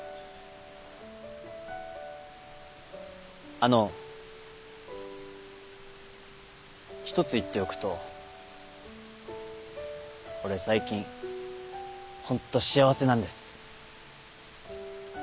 あの一つ言っておくと俺最近ホント幸せなんです。